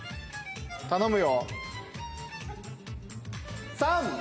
頼むよ。